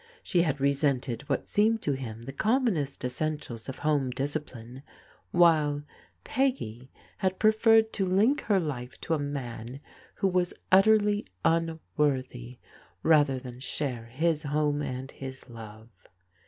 She had resented what seemed to him the com monest essentials of home discipline, while Peggy had preferred to link her life to a man who was utterly im worthy, rather than share his home and his love.